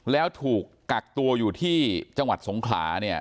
แล้วถูกกักตัวอยู่ที่จังหวัดสงขลาเนี่ย